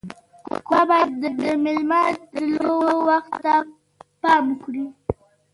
کوربه باید د میلمه د تلو وخت ته پام وکړي.